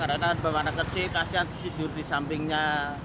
ada anak anak kecil kasian tidur di sampingnya